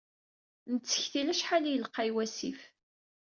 Nettektil acḥal i yelqay wasif.